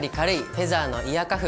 フェザーのイヤーカフ」。